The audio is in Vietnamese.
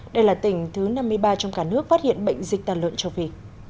đây là tỉnh thứ năm mươi ba trong cả nước phát hiện bệnh dịch tàn lợn châu phi